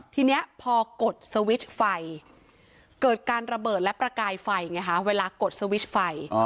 ทีนี้พอกดสวิตช์ไฟเกิดการระเบิดและประกายไฟไงคะเวลากดสวิตช์ไฟ